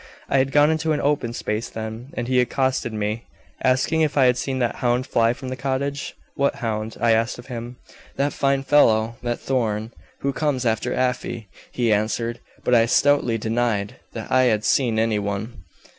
I had gone into an open space, then, and he accosted me, asking if I had seen 'that hound' fly from the cottage? 'What hound?' I asked of him. 'That fine fellow, that Thorn, who comes after Afy,' he answered, but I stoutly denied that I had seen any one.